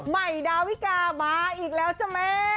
ใหม่ดาวิกามาอีกแล้วจ้ะแม่